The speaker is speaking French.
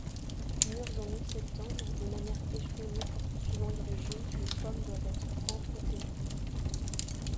Mûres en août-septembre, de manière échelonnée, suivant les régions, les pommes doivent être entre-cueillies.